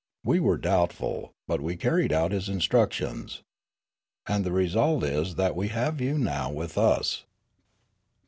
We were doubtful ; but w e carried out his in structions. And the result is that we have you now with us."